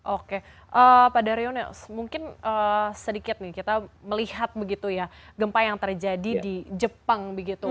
oke pak daryo mungkin sedikit kita melihat gempa yang terjadi di jepang